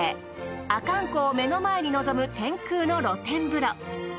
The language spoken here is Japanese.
阿寒湖を目の前に臨む天空の露天風呂。